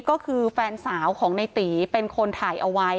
ก็คือแฟนสาวของในตีเป็นคนถ่ายเอาไว้